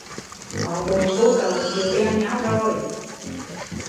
Ngó bộ cô cậu chịu đèn nhau rồi